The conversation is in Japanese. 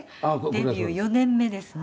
デビュー４年目ですね。